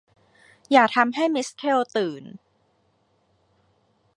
อย่าทำให้มิสแคลร์ตื่น